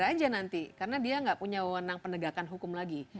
manajer nanti karena dia tidak punya wunang penegakan hukum lagi